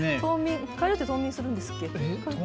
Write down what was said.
カエルって冬眠するんですっけ？